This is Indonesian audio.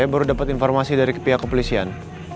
saya baru dapet informasi dari ke pihak kepolisian